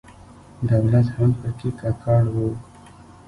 دولت هم په کې ککړ و.